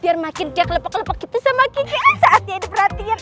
biar makin dia kelepak kelepak gitu sama kiki saatnya ini perhatian